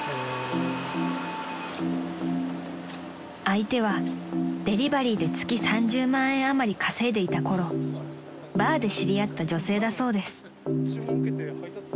［相手はデリバリーで月３０万円余り稼いでいたころバーで知り合った女性だそうです］